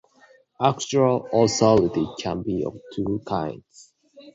Actual authority can be of two kinds.